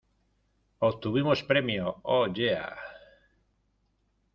¡ Obtuvimos premios! ¡ oh, yeah !